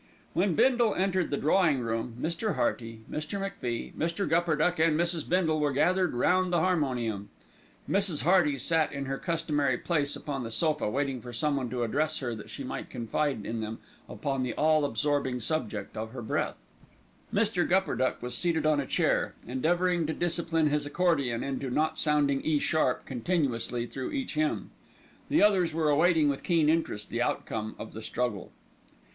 When Bindle entered the drawing room, Mr. Hearty, Mr. MacFie, Mr. Gupperduck and Mrs. Bindle were gathered round the harmonium. Mrs. Hearty sat in her customary place upon the sofa waiting for someone to address her that she might confide in them upon the all absorbing subject of her breath. Mr. Gupperduck was seated on a chair, endeavouring to discipline his accordion into not sounding E sharp continuously through each hymn. The others were awaiting with keen interest the outcome of the struggle.